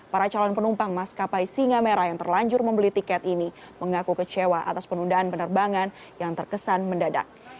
para calon penumpang maskapai singa merah yang terlanjur membeli tiket ini mengaku kecewa atas penundaan penerbangan yang terkesan mendadak